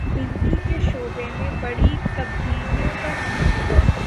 بجلی کے شعبے میں بڑی تبدیلوں کا منصوبہ